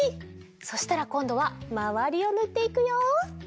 そしたらこんどはまわりをぬっていくよ。